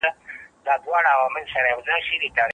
تاسي تل د نېکو او صالحو خلګو سره ناسته ولاړه لرئ.